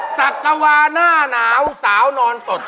สักกวาหน้าหนาวสาวนอนสด